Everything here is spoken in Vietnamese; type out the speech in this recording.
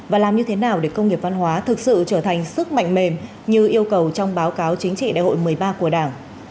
và làm như thế nào để công nghiệp văn hóa thực sự trở thành sức mạnh mềm như yêu cầu trong báo cáo chính trị đại hội một mươi ba của đảng